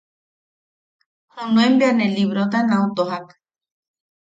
Junuen bea ne librota nau tojak.